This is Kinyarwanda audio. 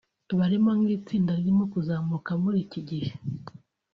barimo nk'itsinda ririmo kuzamuka muri iki gihe